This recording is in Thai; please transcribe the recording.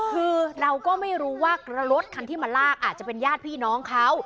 คือเราก็ไม่รู้ว่ารถคันที่มาลากอาจจะเป็นญาติพี่น้องเขา